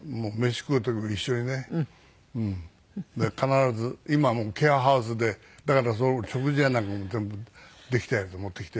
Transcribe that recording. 必ず今はもうケアハウスでだから食事やなんかも全部できたやつを持ってきて。